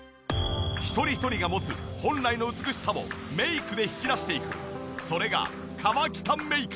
一人一人が持つ本来の美しさをメイクで引き出していくそれが河北メイク。